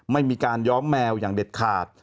ไม่มีการย้อมแมวอย่างเด็ดขาด